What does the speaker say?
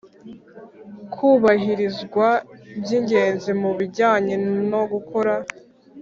Kubahirizwa by ingenzi mu bijyanye no gukora